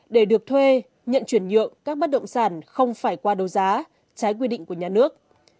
để được thuê nhận chuyển nhượng các bất động sản không phải qua đấu giá trái quy định của nhà nước